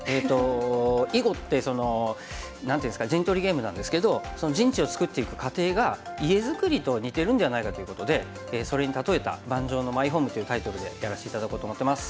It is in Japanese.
囲碁って何て言うんですか陣取りゲームなんですけどその陣地を作っていく過程が家づくりと似てるんではないかということでそれに例えた「盤上のマイホーム」というタイトルでやらせて頂こうと思ってます。